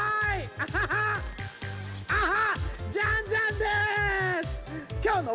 アハハハ！